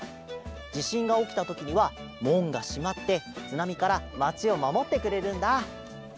じしんがおきたときにはもんがしまってつなみからまちをまもってくれるんだ。